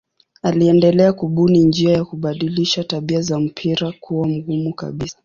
Aliendelea kubuni njia ya kubadilisha tabia za mpira kuwa mgumu kabisa.